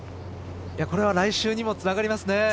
これは来週にもつながりますね。